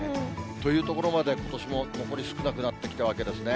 というところまで、ことしも残り少なくなってきたわけですね。